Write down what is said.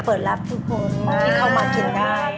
เปิดรับทุกคนที่เข้ามากินได้